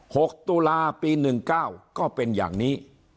หกตุลาปีหนึ่งเก้าก็เป็นอย่างนี้